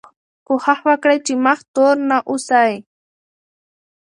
کوښښ وکړئ چې مخ تور نه اوسئ.